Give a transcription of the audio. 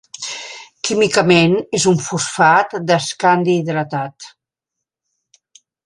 Químicament és un fosfat d'escandi hidratat.